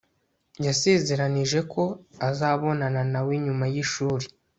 yasezeranije ko azabonana na we nyuma y'ishuri